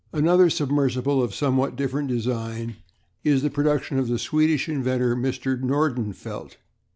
Another submersible of somewhat different design is the production of the Swedish inventor, Mr. Nordenfelt.